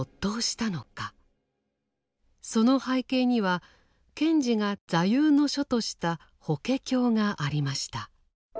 その背景には賢治が座右の書とした「法華経」がありました。